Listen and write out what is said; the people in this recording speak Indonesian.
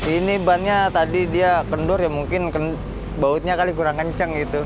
ini bannya tadi dia kendur ya mungkin bautnya kali kurang kencang gitu